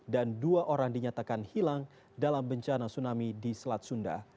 dan dua orang dinyatakan hilang dalam bencana tsunami di selat sunda